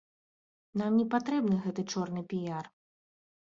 Нам не патрэбны гэты чорны піяр.